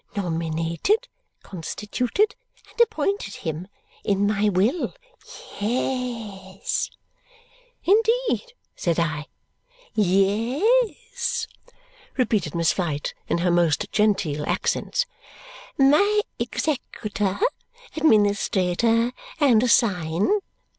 Nominated, constituted, and appointed him. In my will. Ye es." "Indeed?" said I. "Ye es," repeated Miss Flite in her most genteel accents, "my executor, administrator, and assign.